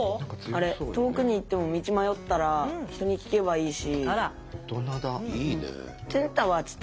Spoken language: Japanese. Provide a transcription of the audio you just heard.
あれ遠くに行っても道迷ったら人に聞けばいいし。